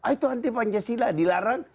itu anti pancasila dilarang